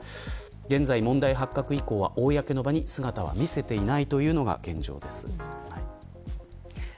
現在、問題発覚以降は公の場に姿は見せていないというのが現状です。